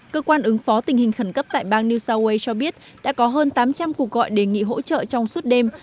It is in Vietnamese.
cơ quan ứng phó tình hình khẩn cấp tại bang new south wales cho biết đã có hơn tám trăm linh cuộc gọi đề nghị hỗ trợ trong suốt đêm